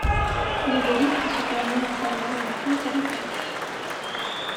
Les élytres se terminent en formant une pointe à l'apex.